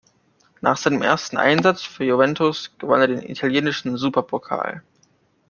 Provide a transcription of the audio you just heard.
Nach seinem ersten Einsatz für Juventus gewann er den italienischen Superpokal.